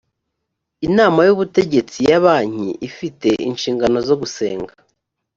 inama y ubutegetsi ya banki ifite inshingano zo gusenga